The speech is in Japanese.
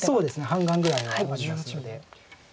半眼ぐらいはありますので。